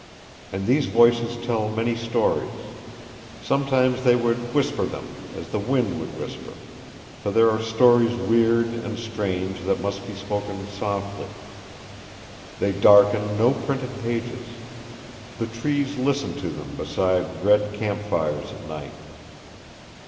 And these voices tell many stories. Sometimes they whisper them, as the wind would whisper, for there are stories weird and strange that must be spoken softly. They darken no printed pages. The trees listen to them beside red camp fires at night.